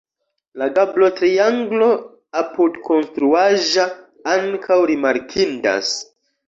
La gablotrianglo apudkonstruaĵa ankaŭ rimarkindas.